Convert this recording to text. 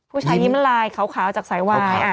ผู้ชายยิ้มละลายขาวจากสายวาย